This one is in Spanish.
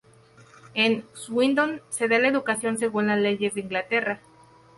En Swindon se da la educación según las leyes de Inglaterra.